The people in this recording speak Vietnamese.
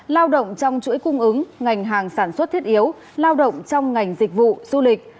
lao động trong chuỗi cung ứng ngành hàng sản xuất thiết yếu lao động trong ngành dịch vụ du lịch